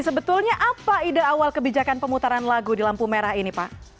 sebetulnya apa ide awal kebijakan pemutaran lagu di lampu merah ini pak